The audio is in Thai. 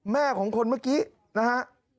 แม่ของคนเมื่อกี้นะฮะ